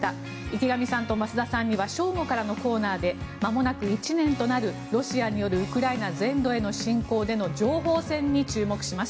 池上さんと増田さんには正午からのコーナーでまもなく１年となるロシアによるウクライナ全土への侵攻での情報戦に注目します。